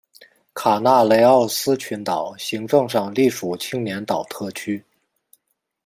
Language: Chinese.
卡纳雷奥斯群岛行政上隶属青年岛特区。